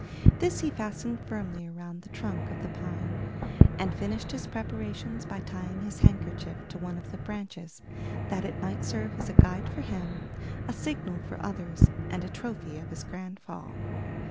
This he fastened firmly round the trunk of the pine, and finished his preparations by tying his handkerchief to one of the branches, that it might serve as a guide for him, a signal for others, and a trophy of his grand fall.